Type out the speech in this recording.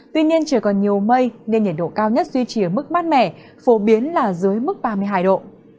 tuy nhiên trời còn nhiều mây nên nhiệt độ cao nhất duy trì ở mức mát mẻ phổ biến là dưới mức ba mươi hai độ